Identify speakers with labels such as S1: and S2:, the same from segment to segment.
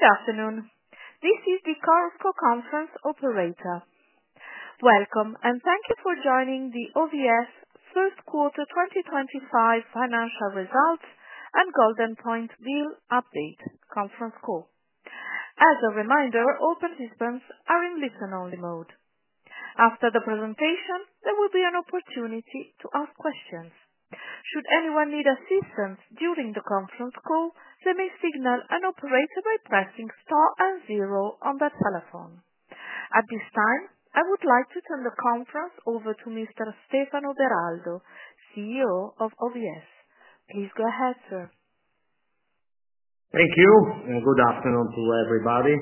S1: Good afternoon. This is the Carlsberg Conference Operator. Welcome, and thank you for joining the OVS First Quarter 2025 Financial Results and Goldenpoint Deal Update Conference Call. As a reminder, all participants are in listen-only mode. After the presentation, there will be an opportunity to ask questions. Should anyone need assistance during the conference call, they may signal an operator by pressing * and zero on their telephone. At this time, I would like to turn the conference over to Mr. Stefano Beraldo, CEO of OVS. Please go ahead, sir.
S2: Thank you, and good afternoon to everybody.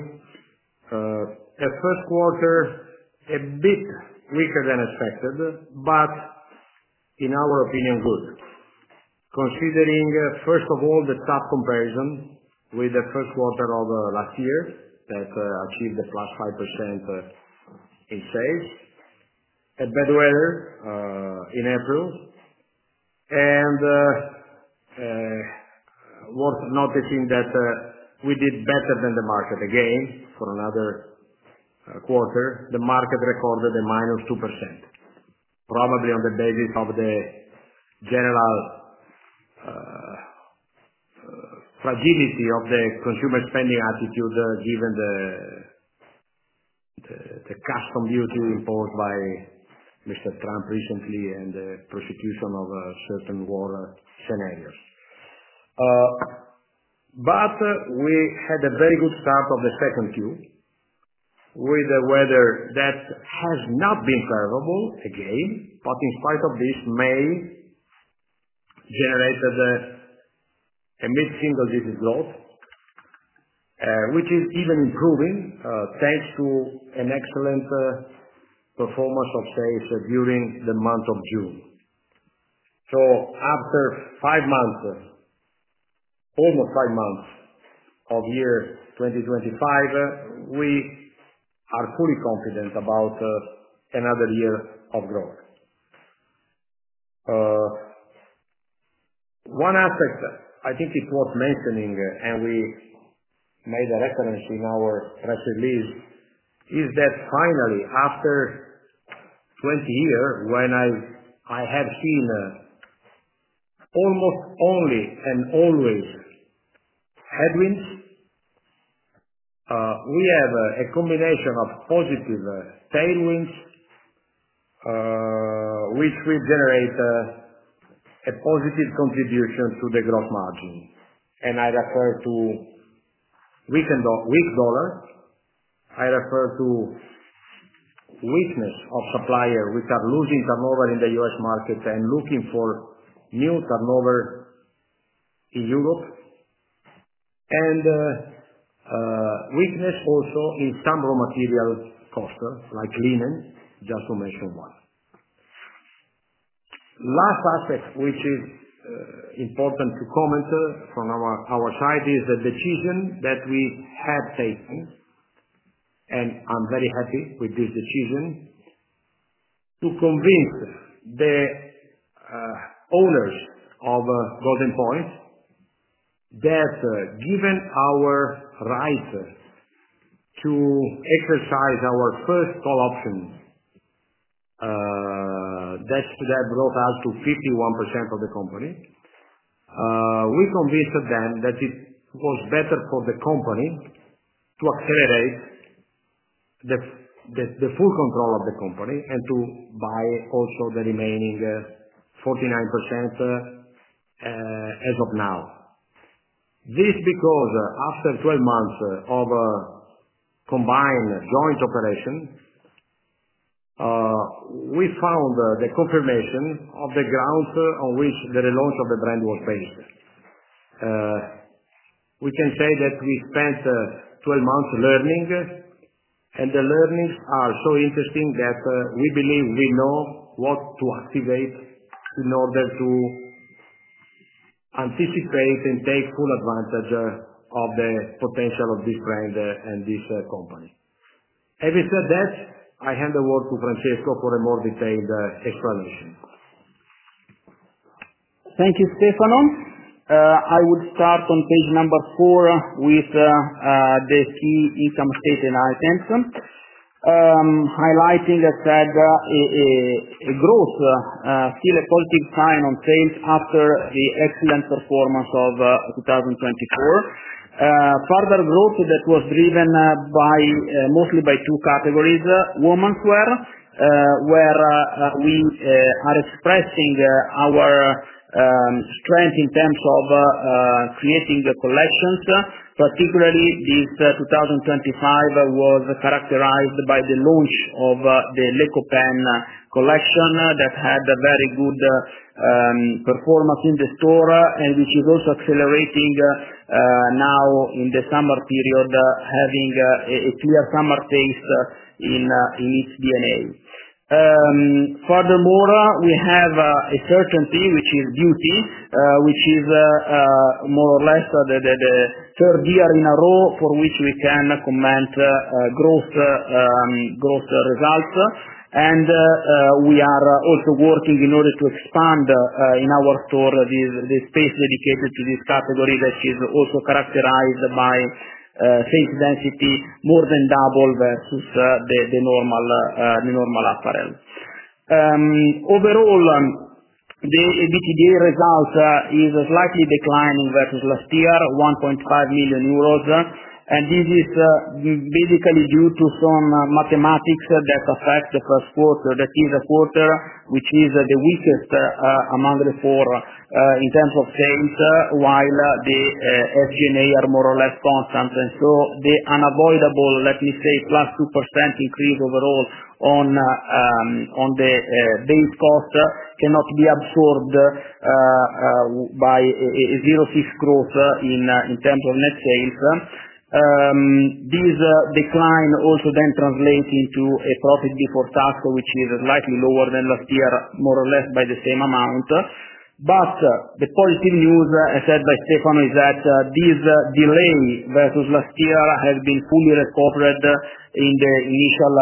S2: The first quarter was a bit weaker than expected, but in our opinion, good, considering, first of all, the tough comparison with the first quarter of last year that achieved a plus 5% in sales, bad weather in April, and worth noticing that we did better than the market again for another quarter. The market recorded a minus 2%, probably on the basis of the general fragility of the consumer spending attitude given the customs duty imposed by Mr. Trump recently and the prosecution of certain war scenarios. We had a very good start of the second Q with the weather that has not been favorable again, but in spite of this, may generate a mid-single digit growth, which is even improving thanks to an excellent performance of sales during the month of June. After five months, almost five months of year 2025, we are fully confident about another year of growth. One aspect I think it was mentioning, and we made a reference in our press release, is that finally, after 20 years, when I have seen almost only and always headwinds, we have a combination of positive tailwinds, which will generate a positive contribution to the gross margin. I refer to weak dollar; I refer to weakness of suppliers which are losing turnover in the U.S. market and looking for new turnover in Europe, and weakness also in some raw material clusters, like linen, just to mention one. Last aspect, which is important to comment from our side, is the decision that we have taken, and I'm very happy with this decision, to convince the owners of Goldenpoint that given our right to exercise our first call option, that brought us to 51% of the company, we convinced them that it was better for the company to accelerate the full control of the company and to buy also the remaining 49% as of now. This is because after 12 months of combined joint operation, we found the confirmation of the grounds on which the launch of the brand was based. We can say that we spent 12 months learning, and the learnings are so interesting that we believe we know what to activate in order to anticipate and take full advantage of the potential of this brand and this company. Having said that, I hand the word to Francesco for a more detailed explanation.
S3: Thank you, Stefano. I would start on page number four with the key income statement items, highlighting, as said, a growth, still a positive sign on sales after the excellent performance of 2024. Further growth that was driven mostly by two categories: womenswear, where we are expressing our strength in terms of creating collections. Particularly, this 2025 was characterized by the launch of the Les Copains collection that had a very good performance in the store and which is also accelerating now in the summer period, having a clear summer taste in its DNA. Furthermore, we have a certainty, which is beauty, which is more or less the third year in a row for which we can comment on growth results. We are also working in order to expand in our store the space dedicated to this category that is also characterized by sales density more than double versus the normal apparel. Overall, the EBITDA result is slightly declining versus last year, 1.5 million euros. This is basically due to some mathematics that affect the first quarter, that is, a quarter which is the weakest among the four in terms of sales, while the SG&A are more or less constant. The unavoidable, let me say, plus 2% increase overall on the base cost cannot be absorbed by 0%-6% growth in terms of net sales. This decline also then translates into a profit before tax, which is slightly lower than last year, more or less by the same amount. The positive news, as said by Stefano, is that this delay versus last year has been fully recovered in the initial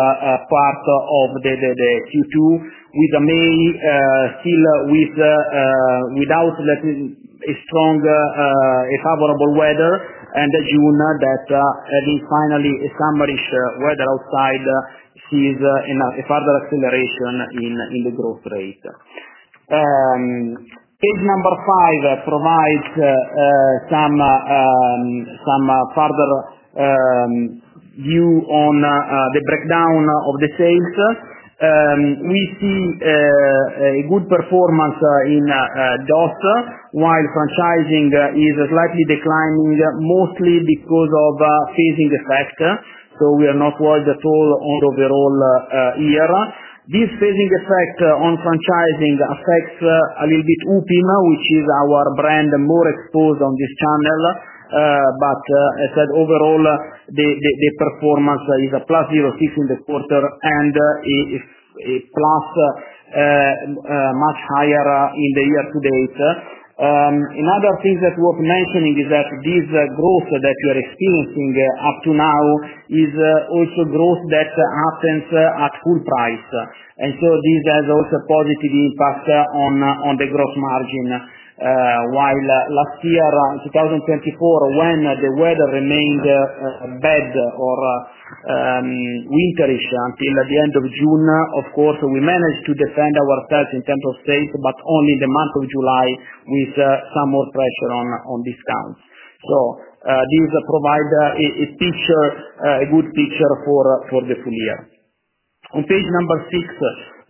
S3: part of Q2, with May still without a strong, favorable weather, and June that, having finally summerish weather outside, sees a further acceleration in the growth rate. Page number five provides some further view on the breakdown of the sales. We see a good performance in DOT, while franchising is slightly declining, mostly because of phasing effect. We are not worried at all overall here. This phasing effect on franchising affects a little bit UPIM, which is our brand more exposed on this channel. As I said, overall, the performance is a plus 0.6% in the quarter and a plus much higher in the year to date. Another thing that is worth mentioning is that this growth that we are experiencing up to now is also growth that happens at full price. This has also a positive impact on the gross margin. While last year, 2024, when the weather remained bad or winterish until the end of June, of course, we managed to defend ourselves in terms of sales, but only the month of July with some more pressure on discounts. This provides a good picture for the full year. On page number six,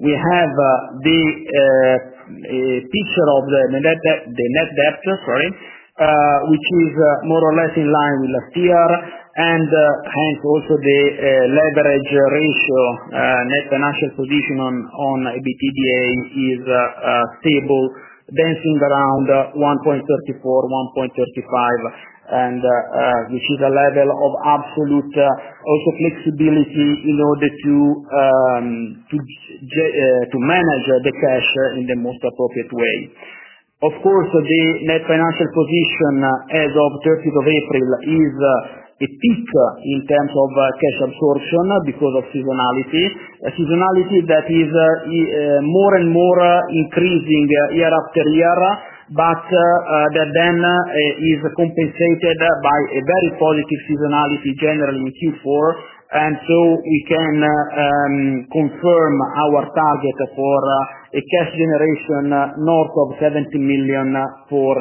S3: we have the picture of the net debt, which is more or less inline with last year, and hence also the leverage ratio, net financial position on EBITDA is stable, dancing around 1.34-1.35, which is a level of absolute also flexibility in order to manage the cash in the most appropriate way. Of course, the net financial position as of 30th of April is a peak in terms of cash absorption because of seasonality, a seasonality that is more and more increasing year-after-year, but that then is compensated by a very positive seasonality generally in Q4. We can confirm our target for a cash generation north of EUR 70 million for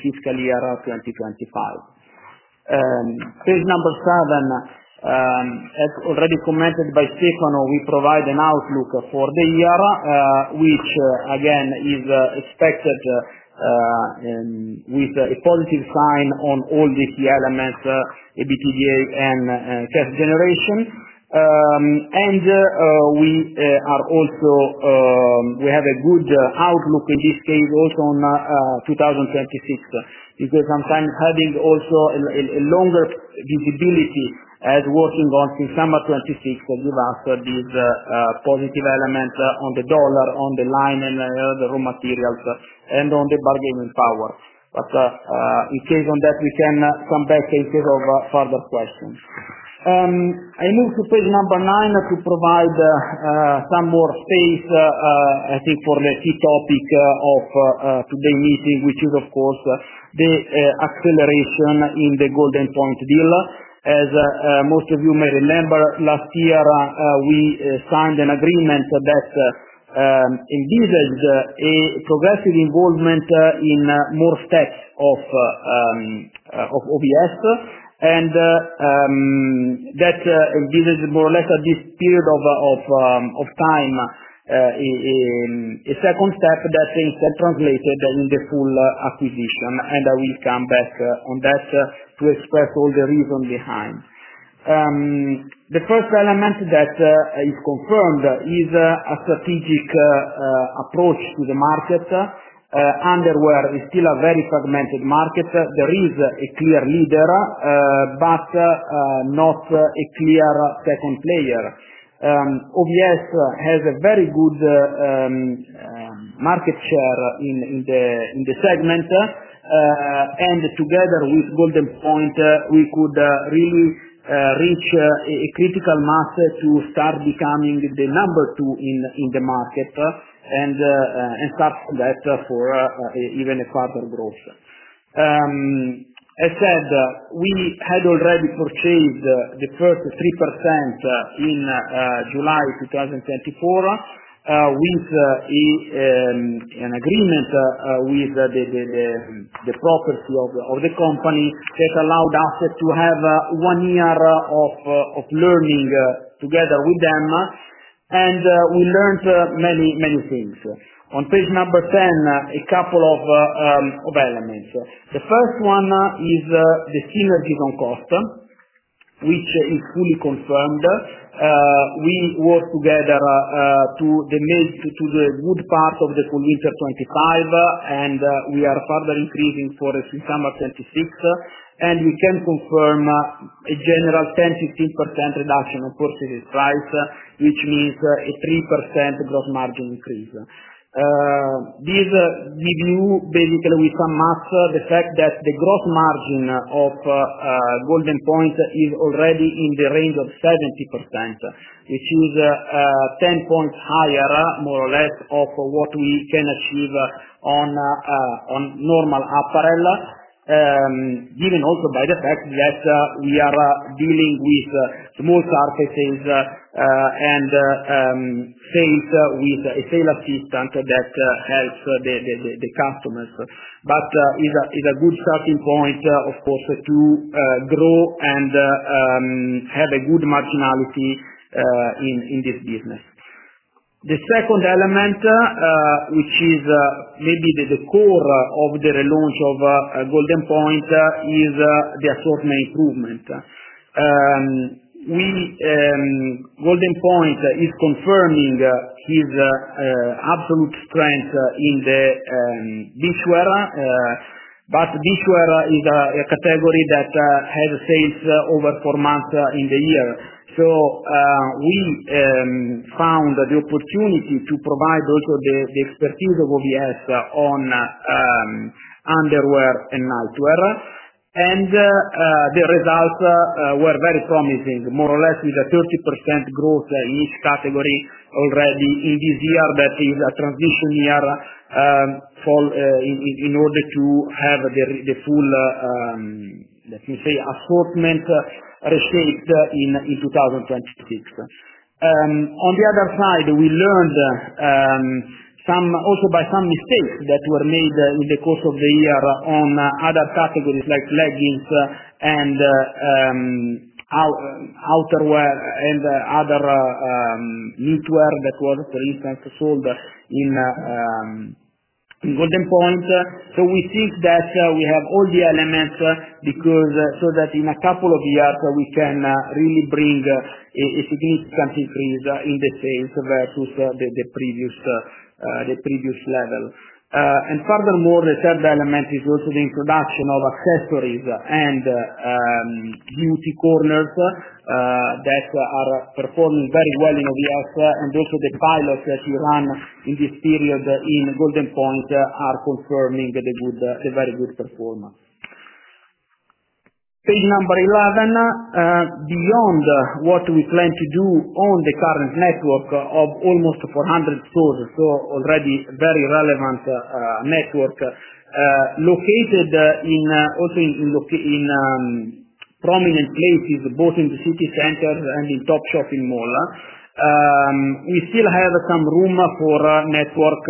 S3: fiscal year 2025. Page number seven, as already commented by Stefano, we provide an outlook for the year, which again is expected with a positive sign on all these key elements, EBITDA and cash generation. We have a good outlook in this case also on 2026, because sometimes having also a longer visibility as working on since summer 2026 gives us these positive elements on the dollar, on the line, and the raw materials, and on the bargaining power. In case on that, we can come back in case of further questions. I move to page number nine to provide some more space, I think, for the key topic of today's meeting, which is, of course, the acceleration in the Goldenpoint deal. As most of you may remember, last year, we signed an agreement that envisaged a progressive involvement in more steps of OVS, and that envisaged more or less at this period of time a second step that is translated in the full acquisition. I will come back on that to express all the reasons behind. The first element that is confirmed is a strategic approach to the market under where it is still a very fragmented market. There is a clear leader, but not a clear second player. OVS has a very good market share in the segment, and together with Goldenpoint, we could really reach a critical mass to start becoming the number two in the market and start from that for even a further growth. As said, we had already purchased the first 3% in July 2024 with an agreement with the property of the company that allowed us to have one year of learning together with them. We learned many things. On page number 10, a couple of elements. The first one is the synergies on cost, which is fully confirmed. We worked together to the good part of the full winter 2025, and we are further increasing for summer 2026. We can confirm a general 10-15% reduction of purchasing price, which means a 3% gross margin increase. This gives you, basically, with some maths, the fact that the gross margin of Goldenpoint is already in the range of 70%, which is 10 percentage points higher, more or less, than what we can achieve on normal apparel, given also by the fact that we are dealing with small cart sales and sales with a sales assistant that helps the customers. It is a good starting point, of course, to grow and have a good marginality in this business. The second element, which is maybe the core of the launch of Goldenpoint, is the assortment improvement. Goldenpoint is confirming its absolute strength in the beachwear, but beachwear is a category that has sales over four months in the year. We found the opportunity to provide also the expertise of OVS on underwear and nightwear. The results were very promising, more or less with a 30% growth in each category already in this year that is a transition year in order to have the full, let me say, assortment reshaped in 2026. On the other side, we learned also by some mistakes that were made in the course of the year on other categories like leggings and outerwear and other knitwear that was, for instance, sold in Goldenpoint. We think that we have all the elements so that in a couple of years, we can really bring a significant increase in the sales versus the previous level. Furthermore, the third element is also the introduction of accessories and beauty corners that are performing very well in OVS. Also the pilots that we run in this period in Goldenpoint are confirming the very good performance. Page number 11, beyond what we plan to do on the current network of almost 400 stores, so already very relevant network located also in prominent places, both in the city centers and in top shopping malls, we still have some room for network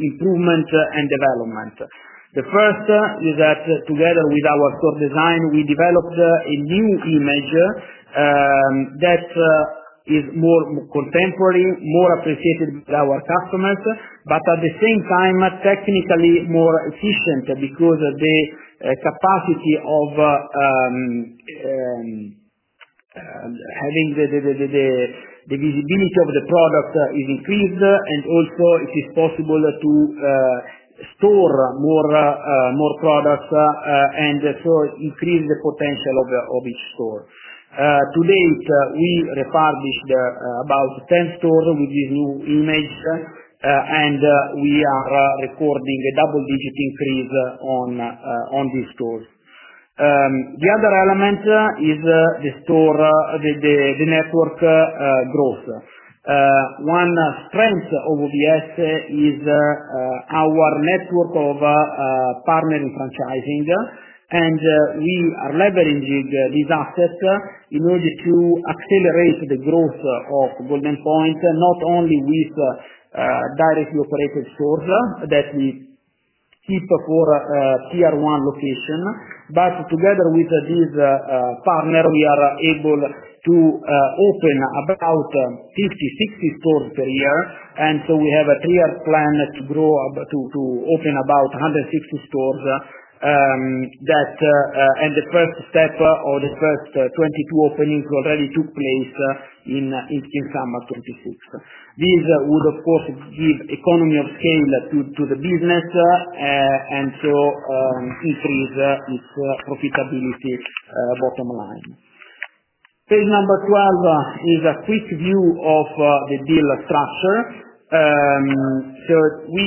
S3: improvement and development. The first is that together with our store design, we developed a new image that is more contemporary, more appreciated by our customers, but at the same time, technically more efficient because the capacity of having the visibility of the product is increased. Also, it is possible to store more products and so increase the potential of each store. To date, we refurbished about 10 stores with this new image, and we are recording a double-digit increase on these stores. The other element is the network growth. One strength of OVS is our network of partnering franchising, and we are leveraging these assets in order to accelerate the growth of Goldenpoint, not only with directly operated stores that we keep for tier one location, but together with these partners, we are able to open about 50-60 stores per year. We have a three-year plan to open about 160 stores, and the first step or the first 22 openings already took place in summer 2026. These would, of course, give economy of scale to the business and increase its profitability bottom line. Page number 12 is a quick view of the deal structure. We,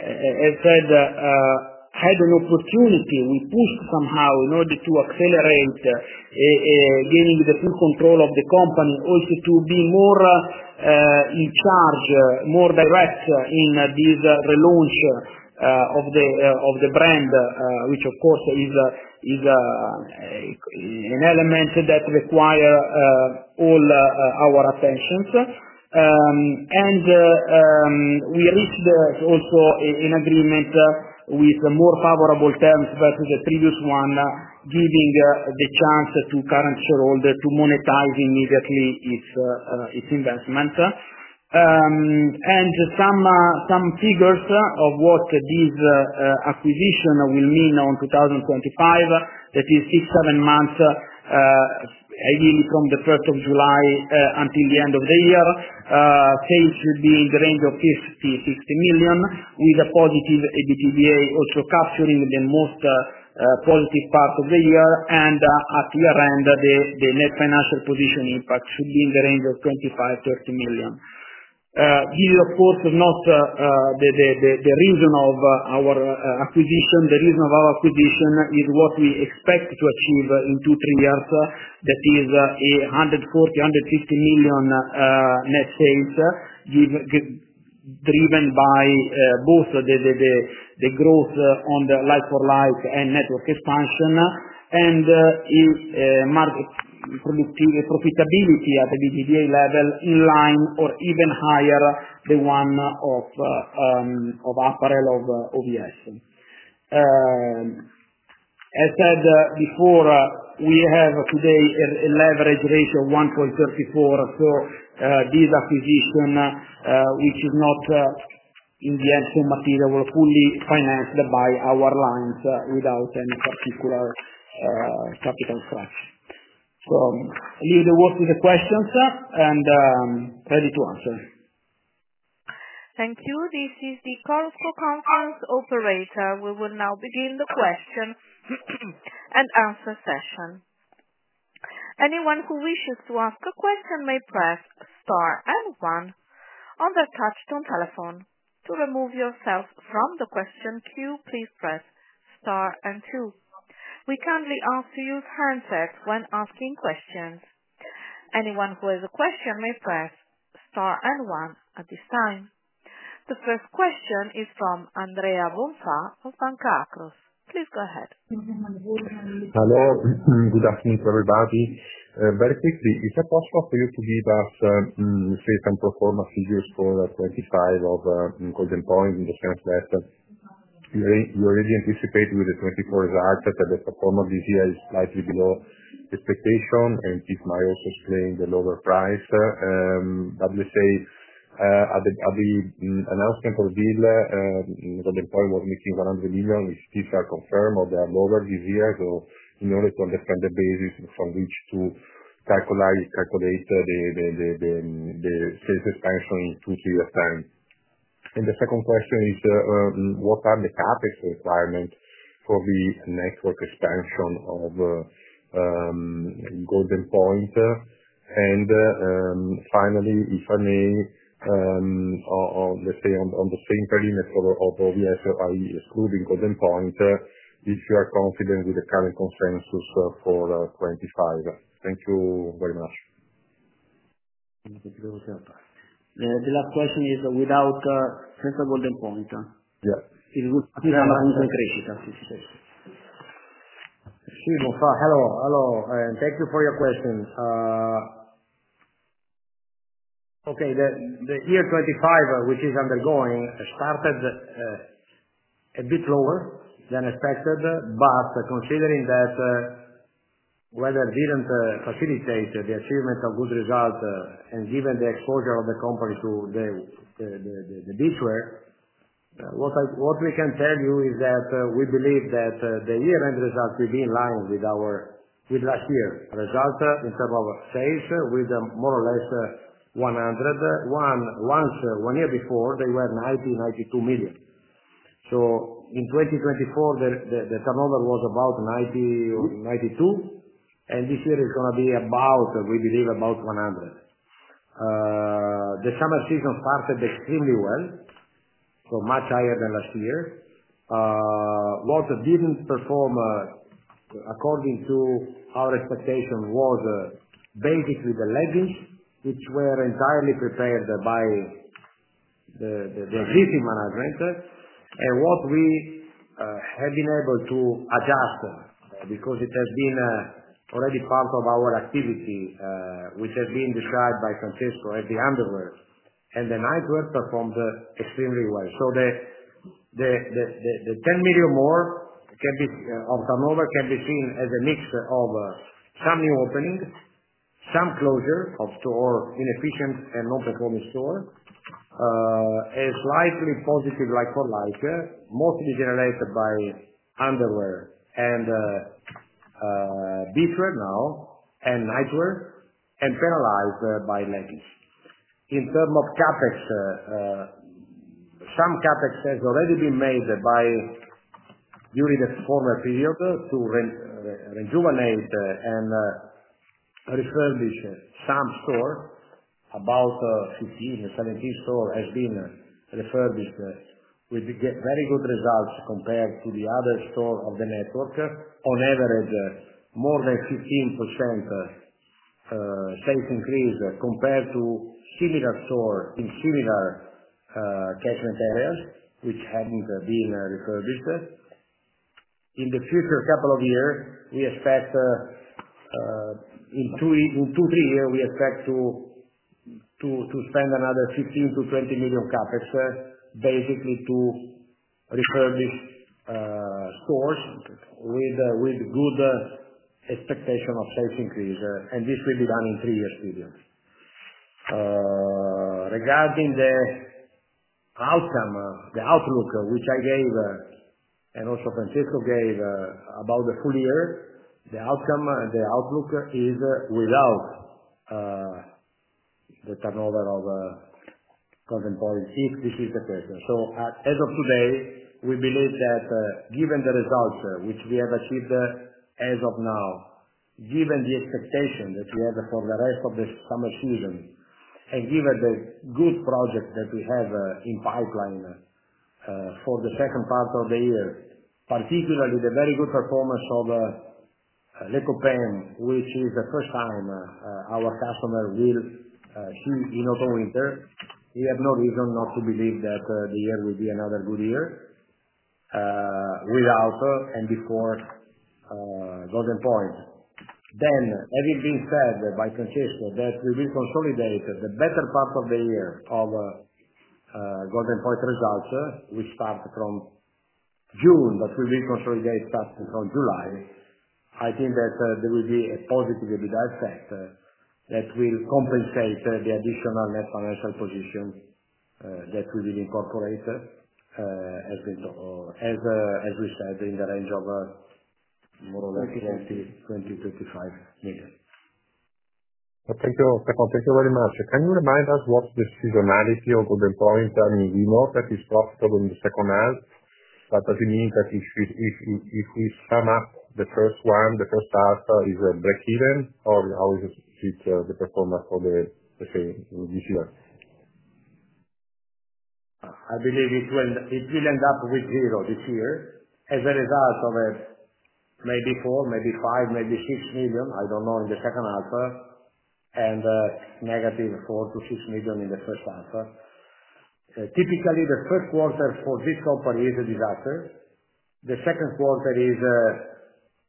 S3: as said, had an opportunity. We pushed somehow in order to accelerate gaining the full control of the company, also to be more in charge, more direct in this relaunch of the brand, which, of course, is an element that requires all our attentions. We reached also an agreement with more favorable terms versus the previous one, giving the chance to current shareholders to monetize immediately its investment. Some figures of what this acquisition will mean on 2025, that is six - seven months, ideally from the 1st of July until the end of the year, sales should be in the range of 50 million - 60 million, with a positive EBITDA also capturing the most positive part of the year. At year end, the net financial position impact should be in the range of 25 million - 30 million. This is, of course, not the reason of our acquisition. The reason of our acquisition is what we expect to achieve in two, three years, that is 140 million-150 million net sales, driven by both the growth on the like-for-like and network expansion, and profitability at the EBITDA level in line or even higher than the one of apparel of OVS. As said before, we have today a leverage ratio of 1.34. This acquisition, which is not, in the end, so material, will be fully financed by our lines without any particular capital structure. Leave the words to the questions and ready to answer.
S1: Thank you. This is the Carlsberg Conference operator. We will now begin the question and answer session. Anyone who wishes to ask a question may press star and one. On the touch-tone telephone, to remove yourself from the question queue, please press star and two. We kindly ask to use handsets when asking questions. Anyone who has a question may press star and one at this time. The first question is from Andrea Bonfà from Banca Akros. Please go ahead.
S4: Hello. Good afternoon to everybody. Very quickly, is it possible for you to give us sales and performance figures for 2025 of Goldenpoint in the sense that you already anticipate with the 2024 result that the performance this year is slightly below expectation, and this might also explain the lower price? Let's say at the announcement of the deal, Goldenpoint was making 100 million. Is this confirmed or are they lower this year? In order to understand the basis from which to calculate the sales expansion in two, three years' time. The second question is, what are the CapEx requirements for the network expansion of Goldenpoint? Finally, if I may, let's say on the same perimeter of OVS, excluding Goldenpoint, if you are confident with the current consensus for 2025. Thank you very much.
S3: The last question is without Central Goldenpoint.
S4: Yeah.
S2: Hello. Hello. Thank you for your question. The year 2025, which is undergoing, started a bit lower than expected, but considering that weather did not facilitate the achievement of good results and given the exposure of the company to the beachwear, what we can tell you is that we believe that the year-end results will be in line with last year. Result in terms of sales with more or less 100 million. One year before, they were 90million - 92 million. In 2024, the turnover was about 90 or 92 million, and this year is going to be about, we believe, about 100 million. The summer season started extremely well, so much higher than last year. What did not perform according to our expectation was basically the leggings, which were entirely prepared by the existing management. What we have been able to adjust because it has been already part of our activity, which has been described by Francesco as the underwear, and the nightwear performed extremely well. The 10 million more of turnover can be seen as a mix of some new openings, some closure of store inefficient and non-performing store, a slightly positive life-for-life, mostly generated by underwear and beachwear now and nightwear, and penalized by leggings. In terms of CapEx, some CapEx has already been made during the former period to rejuvenate and refurbish some stores. About 15-17 stores have been refurbished with very good results compared to the other stores of the network. On average, more than 15% sales increase compared to similar stores in similar catchment areas, which have not been refurbished. In the future couple of years, we expect in two, three years, we expect to spend another 15-20 million CapEx, basically to refurbish stores with good expectation of sales increase. This will be done in three years' period. Regarding the outcome, the outlook which I gave and also Francesco gave about the full year, the outcome, the outlook is without the turnover of Goldenpoint if this is the question. As of today, we believe that given the results which we have achieved as of now, given the expectation that we have for the rest of the summer season, and given the good project that we have in pipeline for the second part of the year, particularly the very good performance of Les Copains, which is the first time our customer will see in autumn-winter, we have no reason not to believe that the year will be another good year without and before Goldenpoint. Having been said by Francesco that we will consolidate the better part of the year of Goldenpoint results, which start from June, but we will consolidate starting from July, I think that there will be a positive effect that will compensate the additional net financial position that we will incorporate, as we said, in the range of more or less 20 million - 25 million.
S4: Thank you, Stefano. Thank you very much. Can you remind us what the seasonality of Goldenpoint is? We know that it's profitable in the second half, but does it mean that if we sum up the first one, the first half is break-even, or how is it the performance for, let's say, this year?
S2: I believe it will end up with zero this year as a result of maybe 4 million, maybe 5 million, maybe 6 million. I don't know in the second half, and negative 4 million - 6 million in the first half. Typically, the first quarter for this company is a disaster. The second quarter is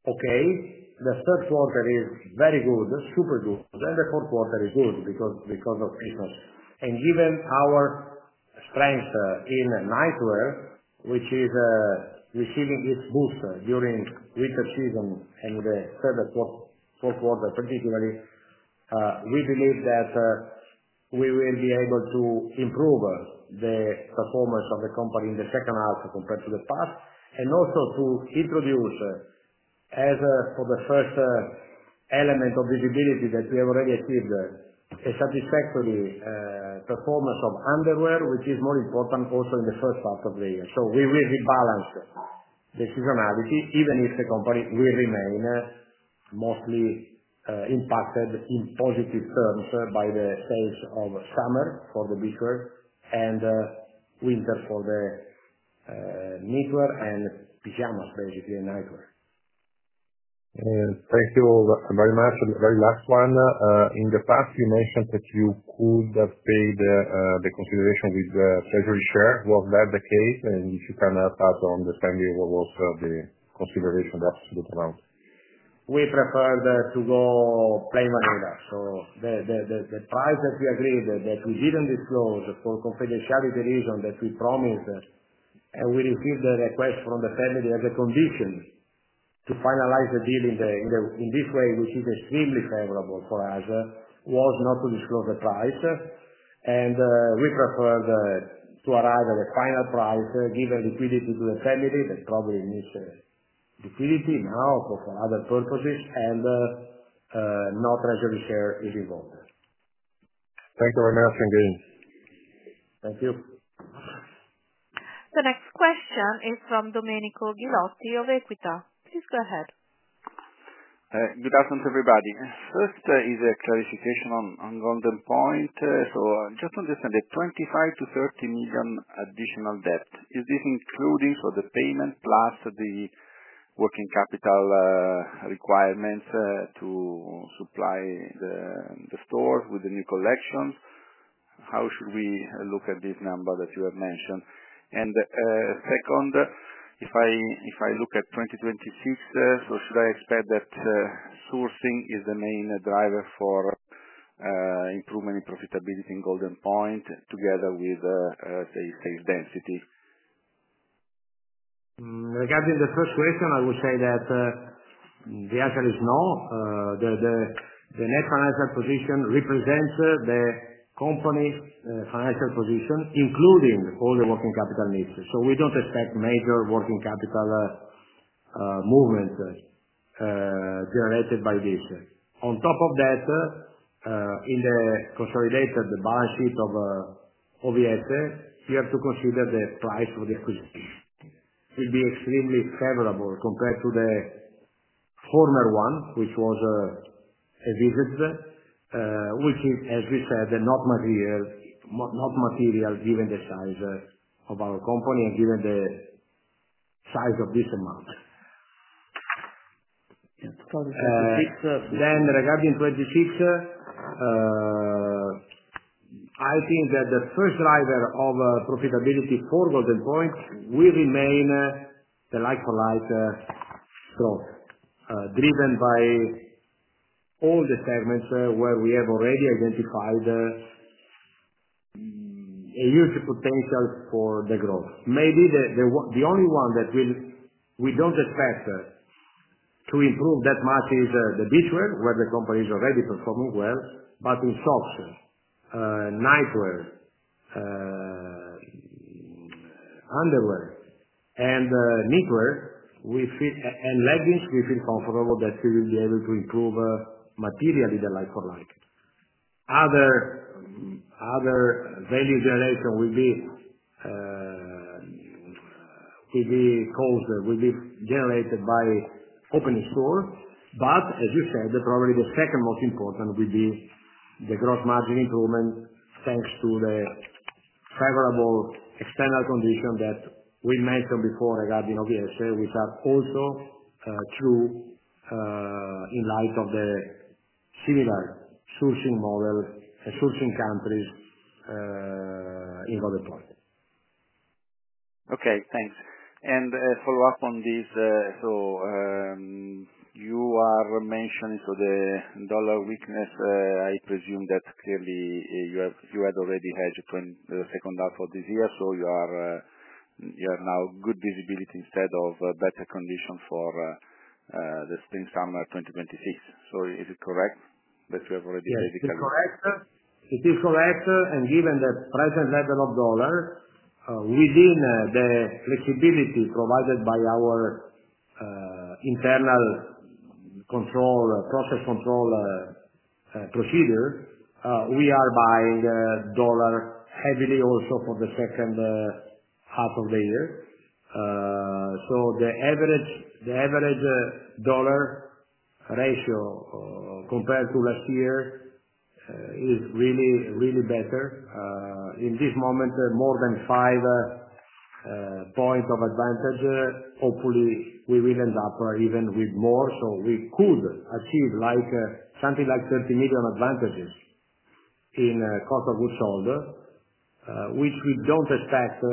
S2: okay. The third quarter is very good, super good. The fourth quarter is good because of Christmas. Given our strength in nightwear, which is receiving its boost during winter season and the third or fourth quarter particularly, we believe that we will be able to improve the performance of the company in the second half compared to the past, and also to introduce, as for the first element of visibility that we have already achieved, a satisfactory performance of underwear, which is more important also in the first half of the year. We will rebalance the seasonality, even if the company will remain mostly impacted in positive terms by the sales of summer for the beachwear and winter for the nightwear and pajamas, basically, and nightwear.
S4: Thank you all very much. The very last one. In the past, you mentioned that you could have paid the consideration with treasury share. Was that the case? And if you can start to understand, what was the consideration of the absolute amount?
S2: We preferred to go plain maneira. The price that we agreed that we did not disclose for confidentiality reason that we promised, and we received the request from the family as a condition to finalize the deal in this way, which is extremely favorable for us, was not to disclose the price. We preferred to arrive at a final price, give liquidity to the family that probably needs liquidity now for other purposes, and no treasury share is involved.
S4: Thank you very much.
S2: Thank you.
S1: The next question is from Domenico Gilotti of Equita. Please go ahead.
S5: Good afternoon, everybody. First is a clarification on Goldenpoint. Just to understand, the 25 million - 30 million additional debt, is this including the payment plus the working capital requirements to supply the stores with the new collections? How should we look at this number that you have mentioned? Second, if I look at 2026, should I expect that sourcing is the main driver for improvement in profitability in Goldenpoint together with, say, sales density?
S2: Regarding the first question, I will say that the answer is no. The net financial position represents the company's financial position, including all the working capital needs. We do not expect major working capital movement generated by this. On top of that, in the consolidated balance sheet of OVS, we have to consider the price of the acquisition. It will be extremely favorable compared to the former one, which was a visit, which is, as we said, not material given the size of our company and given the size of this amount. Regarding 2026, I think that the first driver of profitability for Goldenpoint will remain the life-for-life growth, driven by all the segments where we have already identified a huge potential for the growth. Maybe the only one that we do not expect to improve that much is the beachwear, where the company is already performing well, but in socks, nightwear, underwear, and leggings, we feel comfortable that we will be able to improve materially the life-for-life. Other value generation will be generated by opening stores, but as you said, probably the second most important will be the gross margin improvement thanks to the favorable external condition that we mentioned before regarding OVS, which are also true in light of the similar sourcing model and sourcing countries in Goldenpoint.
S5: Okay. Thanks. A follow-up on this. You are mentioning the dollar weakness. I presume that clearly you had already hedged the second half of this year, so you have now good visibility instead of better condition for the spring-summer 2026. Is it correct that you have already hedged?
S2: Yes, it is correct. It is correct. Given the present level of dollar within the flexibility provided by our internal process control procedure, we are buying dollar heavily also for the second half of the year. The average dollar ratio compared to last year is really, really better. In this moment, more than five points of advantage. Hopefully, we will end up even with more. We could achieve something like 30 million advantages in cost of goods sold, which we do not expect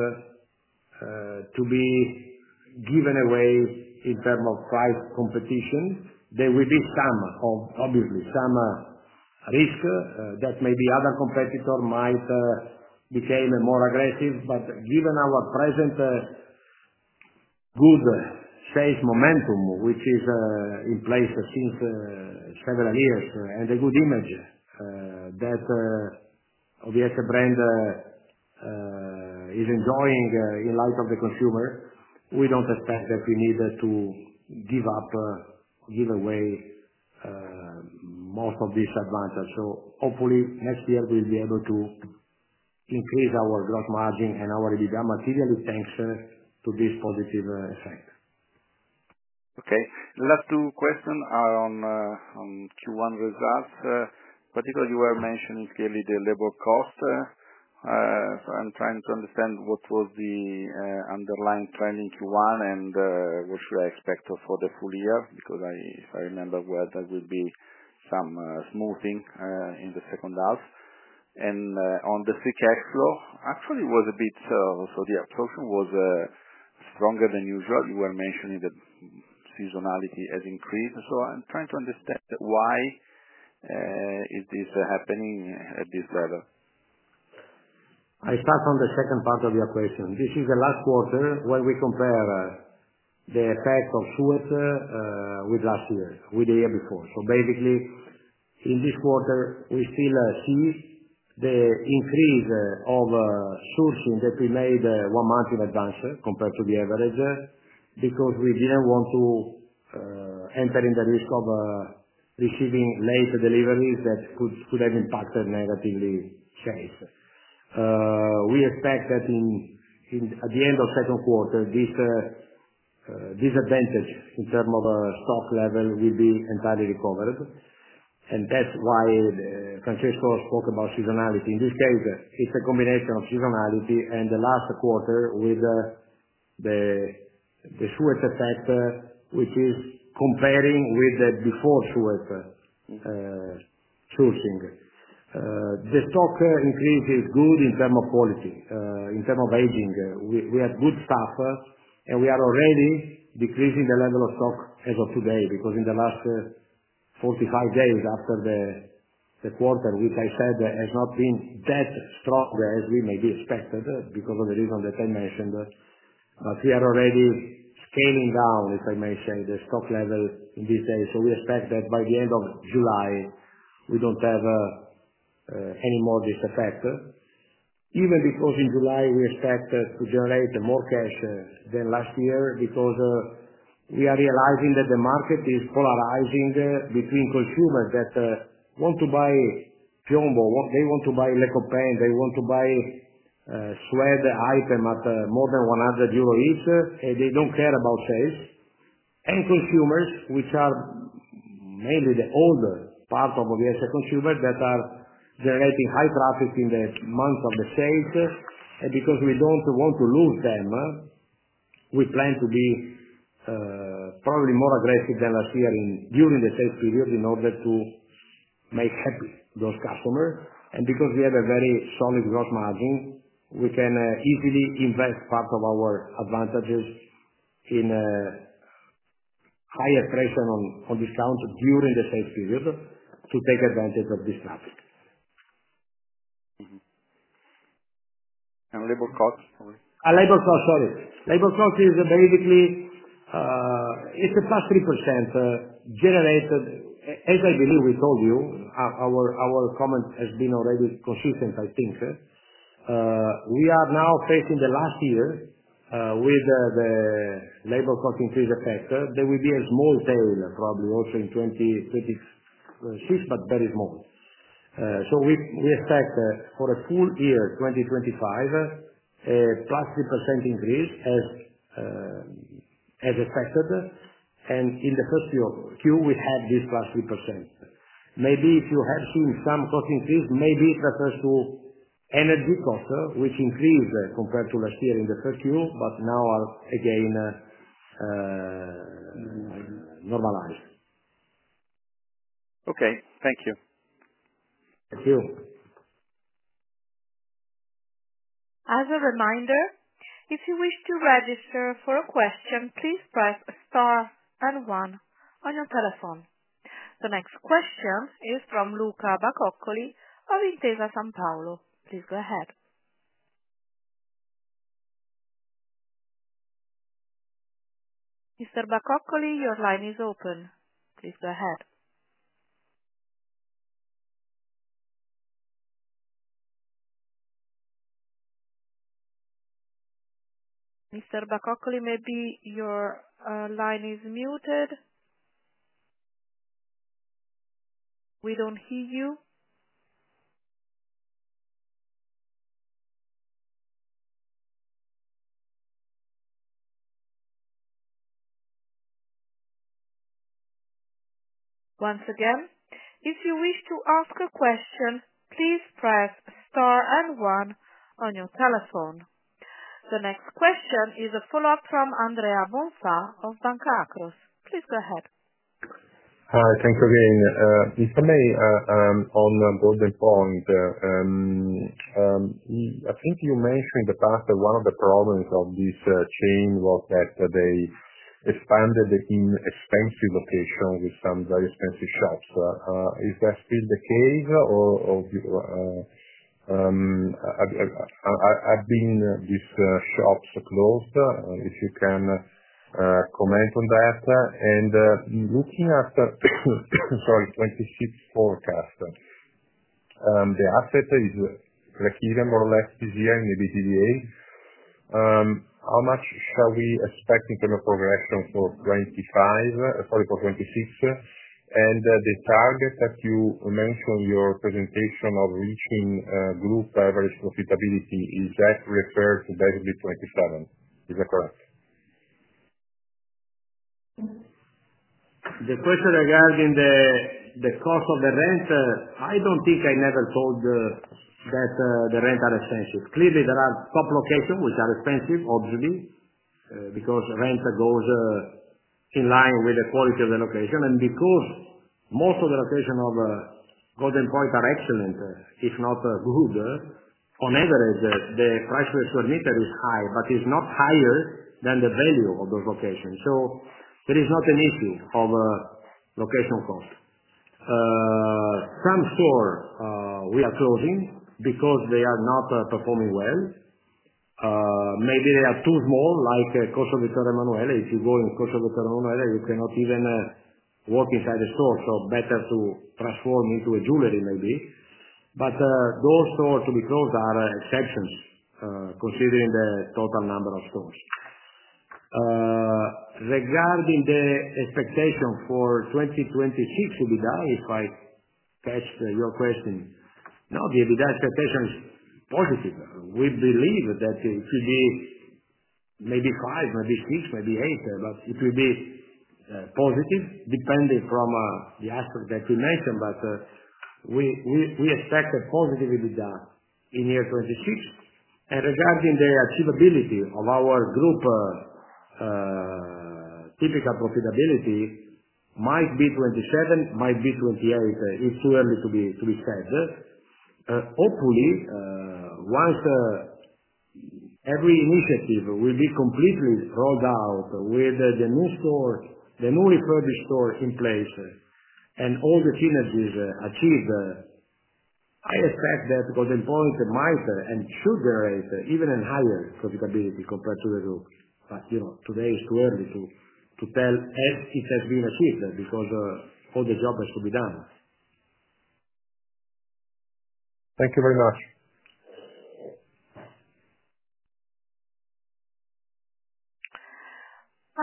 S2: to be given away in terms of price competition. There will be some, obviously, some risk that maybe other competitors might become more aggressive. Given our present good sales momentum, which is in place since several years, and the good image that the OVS brand is enjoying in light of the consumer, we do not expect that we need to give up or give away most of this advantage. Hopefully, next year, we'll be able to increase our gross margin and our EBITDA materially thanks to this positive effect.
S5: Okay. Last two questions are on Q1 results. Particularly, you were mentioning clearly the labor cost. I'm trying to understand what was the underlying trend in Q1, and what should I expect for the full year? Because if I remember well, there will be some smoothing in the second half. On the CCAG flow, actually, it was a bit, so the absorption was stronger than usual. You were mentioning the seasonality has increased. I'm trying to understand why is this happening at this level?
S2: I start from the second part of your question. This is the last quarter where we compare the effect of SWIFT with last year, with the year before. Basically, in this quarter, we still see the increase of sourcing that we made one month in advance compared to the average because we did not want to enter in the risk of receiving late deliveries that could have impacted negatively sales. We expect that at the end of second quarter, this disadvantage in terms of stock level will be entirely recovered. That is why Francesco spoke about seasonality. In this case, it is a combination of seasonality and the last quarter with the SWIFT effect, which is comparing with the before SWIFT sourcing. The stock increase is good in terms of quality. In terms of aging, we have good stuff, and we are already decreasing the level of stock as of today because in the last 45 days after the quarter, which I said has not been that strong as we maybe expected because of the reason that I mentioned. We are already scaling down, if I may say, the stock level in this day. We expect that by the end of July, we do not have any more of this effect, even because in July, we expect to generate more cash than last year because we are realizing that the market is polarizing between consumers that want to buy Jumbo, they want to buy Les Copains, they want to buy sweat item at more than EUR 100 each, and they do not care about sales. Consumers, which are mainly the older part of OVS consumers, are generating high traffic in the month of the sales. Because we do not want to lose them, we plan to be probably more aggressive than last year during the sales period in order to make happy those customers. Because we have a very solid gross margin, we can easily invest part of our advantages in higher pressure on discount during the sales period to take advantage of this land. Labor cost? Labor cost, sorry. Labor cost is basically a plus 3% generated, as I believe we told you. Our comment has been already consistent, I think. We are now facing the last year with the labor cost increase effect. There will be a small tail probably also in 2026, but very small. We expect for a full year, 2025, a plus 3% increase as expected. In the first Q, we have this plus 3%. Maybe if you have seen some cost increase, maybe it refers to energy cost, which increased compared to last year in the first Q, but now are again normalized.
S5: Okay. Thank you.
S2: Thank you.
S1: As a reminder, if you wish to register for a question, please press star and one on your telephone. The next question is from Luca Bacoccoli of Intesa Sanpaolo. Please go ahead. Mr. Bacoccoli, your line is open. Please go ahead. Mr. Bacoccoli, maybe your line is muted. We do not hear you. Once again, if you wish to ask a question, please press * and one on your telephone. The next question is a follow-up from Andrea Bonfà of Banca Akros. Please go ahead.
S4: Thanks again. If I may, on Goldenpoint, I think you mentioned in the past that one of the problems of this chain was that they expanded in expensive locations with some very expensive shops. Is that still the case, or have these shops been closed? If you can comment on that. Looking after, 2026 forecast, the asset is breakeven more or less this year in the EBITDA. How much shall we expect in terms of progression for 2025, sorry, for 2026? And the target that you mentioned in your presentation of reaching group average profitability, is that referred to basically 2027? Is that correct?
S2: The question regarding the cost of the rent, I do not think I ever said that the rents are expensive. Clearly, there are top locations which are expensive, obviously, because rent goes in line with the quality of the location. Because most of the locations of Goldenpoint are excellent, if not good, on average, the price per square meter is high, but it is not higher than the value of those locations. There is not an issue of location cost. Some stores we are closing because they are not performing well. Maybe they are too small, like Corso Vittorio Emanuele. If you go in Corso Vittorio Emanuele, you cannot even walk inside the store. Better to transform into a jewelry, maybe. Those stores to be closed are exceptions considering the total number of stores. Regarding the expectation for 2026 EBITDA, if I catch your question, no, the EBITDA expectation is positive. We believe that it will be maybe five, maybe six, maybe eight, but it will be positive depending from the aspect that we mentioned. We expect a positive EBITDA in year 2026. Regarding the achievability of our group typical profitability, might be 2027, might be 2028. It's too early to be said. Hopefully, once every initiative will be completely rolled out with the new stores, the new refurbished stores in place, and all the synergies achieved, I expect that Goldenpoint might and should generate even higher profitability compared to the group. Today is too early to tell as it has been achieved because all the job has to be done.
S4: Thank you very much.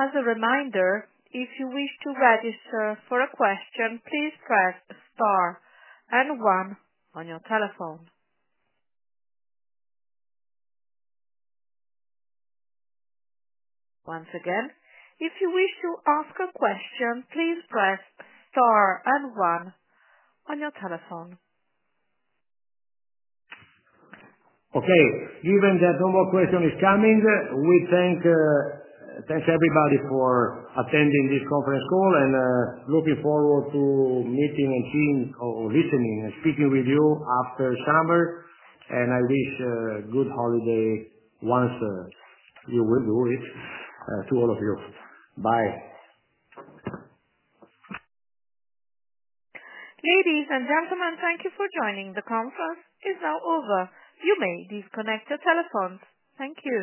S1: As a reminder, if you wish to register for a question, please press * and one on your telephone. Once again, if you wish to ask a question, please press * and one on your telephone.
S2: Okay. Given that no more questions is coming, we thank everybody for attending this conference call and looking forward to meeting and seeing or listening and speaking with you after summer. I wish a good holiday once you will do it to all of you. Bye.
S1: Ladies and gentlemen, thank you for joining. The conference is now over. You may disconnect your telephones. Thank you.